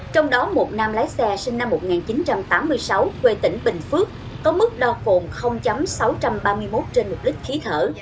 trong đó một nam lái xe sinh năm một nghìn chín trăm tám mươi sáu quê tỉnh bình phước có mức đau phồn sáu trăm ba mươi một trên một lít khí thở